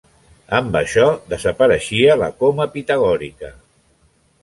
Amb això, desapareixia la coma pitagòrica.